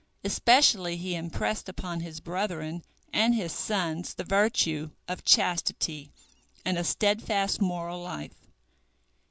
Especially he impressed upon his brethren and his sons the virtue of chastity and a steadfast moral life.